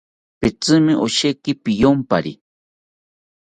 Pitzimi osheki piyompari